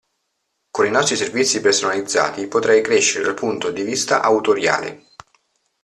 Con i nostri servizi personalizzati potrai crescere dal punto di vista autoriale.